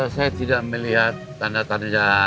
saya tidak melihat tanda tanda jejak kaki